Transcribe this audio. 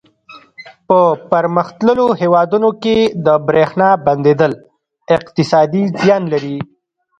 په پرمختللو هېوادونو کې د برېښنا بندېدل اقتصادي زیان لري.